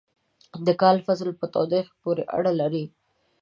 د کال فصلونه په تودوخې پورې اړه لري.